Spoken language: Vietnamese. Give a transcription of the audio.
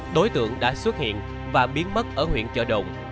đối tượng đã xuất hiện và biến mất ở huyện chợ động